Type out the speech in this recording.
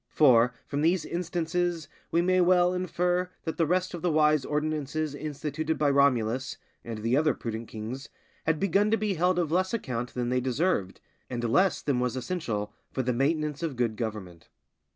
For, from these instances, we may well infer that the rest of the wise ordinances instituted by Romulus, and the other prudent kings, had begun to be held of less account than they deserved, and less than was essential for the maintenance of good government.